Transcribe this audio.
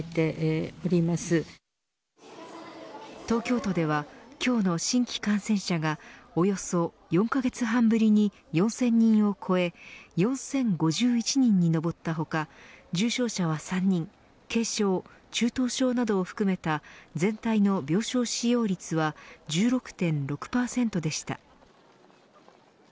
東京都では今日の新規感染者がおよそ４カ月半ぶりに４０００人を超え４０５１人に上った他重症者は３人軽症、中等症などを含めた全体の病床使用率は１６．６％でした。